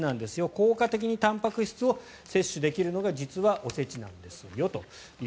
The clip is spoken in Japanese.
効果的にたんぱく質を摂取できるのが実はお節なんですよと。